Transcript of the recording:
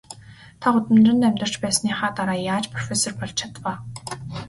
Та гудамжинд амьдарч байсныхаа дараа яаж профессор болж чадав аа?